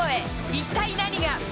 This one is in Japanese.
一体何が。